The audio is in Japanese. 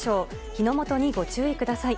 火の元にご注意ください。